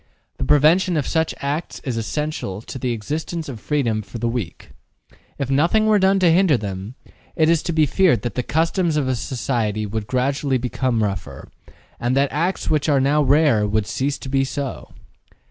The prevention of such acts is essential to the existence of freedom for the weak. If nothing were done to hinder them, it is to be feared that the customs of a society would gradually become rougher, and that acts which are now rare would cease to be so.